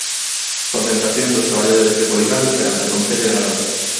Concentración dos traballadores de Poligal perante o Concello de Narón.